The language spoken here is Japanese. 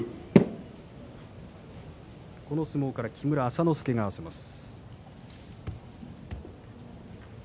この相撲から木村朝之助が合わせます。